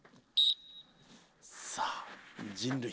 さあ人類